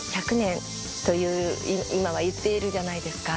今はいっているじゃないですか。